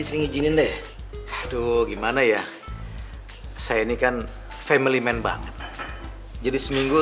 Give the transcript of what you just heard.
sering izinin deh aduh gimana ya saya ini kan family man banget jadi seminggu